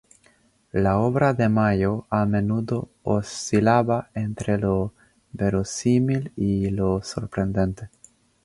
La obra de Mayo a menudo oscilaba entre lo verosímil y lo sorprendente.